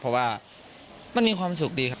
เพราะว่ามันมีความสุขดีครับ